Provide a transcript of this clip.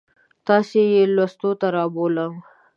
تاسو یې لوستو ته رابولم.